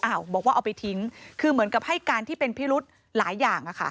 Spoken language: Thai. บอกว่าเอาไปทิ้งคือเหมือนกับให้การที่เป็นพิรุธหลายอย่าง